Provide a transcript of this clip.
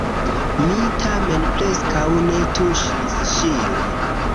Mi tamen preskaŭ ne tuŝis ŝin.